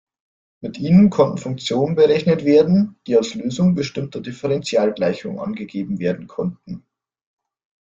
Mit ihnen konnten Funktionen berechnet werden, die als Lösungen bestimmter Differentialgleichungen angegeben werden konnten.